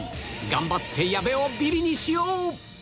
頑張って矢部をビリにしよう